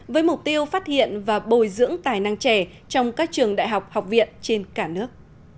với mục tiêu phát hiện và bồi dưỡng tài năng trẻ trong các trường đại học học viện trên cả nước